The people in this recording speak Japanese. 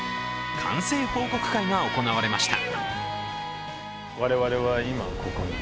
完成報告会が行われました。